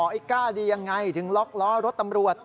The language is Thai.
ไอ้ก้าดียังไงถึงล็อกล้อรถตำรวจ